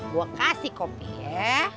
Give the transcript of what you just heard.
gue kasih kopi ya